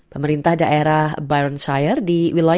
pemerintah daerah byron shire di willowton